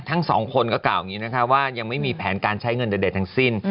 ทั้งสองคนก็กล่าวอย่างนี้นะคะว่ายังไม่มีแผนการใช้เงินเด็ดทั้งสิ้น